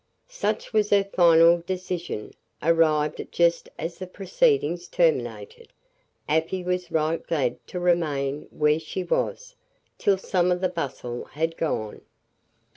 Such was her final decision, arrived at just as the proceedings terminated. Afy was right glad to remain where she was, till some of the bustle had gone.